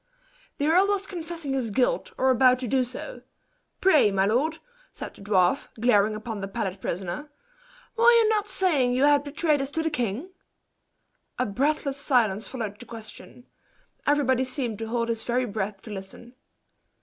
"The earl was confessing his guilt, or about to do so. Pray, my lord," said the dwarf, glaring upon the pallid prisoner, "were you not saying you had betrayed us to the king?" A breathless silence followed the question everybody seemed to hold his very breath to listen.